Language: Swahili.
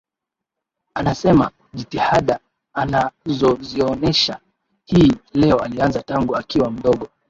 Anasema jitihada anazozionesha hii leo alianza tangu akiwa mdogo